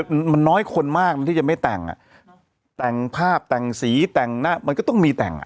มันมันน้อยคนมากมันที่จะไม่แต่งอ่ะแต่งภาพแต่งสีแต่งหน้ามันก็ต้องมีแต่งอ่ะ